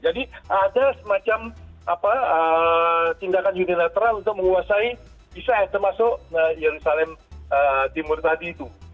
jadi ada semacam tindakan unilateral untuk menguasai israel termasuk jerusalem timur tadi itu